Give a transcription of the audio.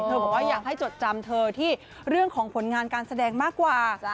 บอกว่าอยากให้จดจำเธอที่เรื่องของผลงานการแสดงมากกว่า